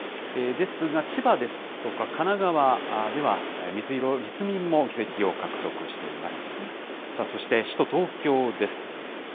ですが、千葉ですとか、神奈川では水色、立民も議席を獲得しています。